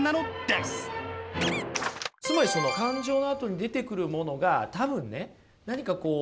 つまりその感情のあとに出てくるものが多分ね何かこう